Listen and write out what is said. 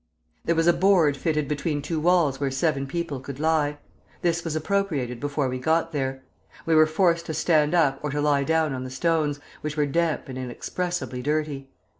There was a board fitted between two walls where seven people could lie. This was appropriated before we got there. We were forced to stand up or to lie down on the stones, which were damp and inexpressibly dirty.